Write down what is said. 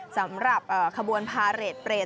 สำหรับขบวนพาเรทเปรต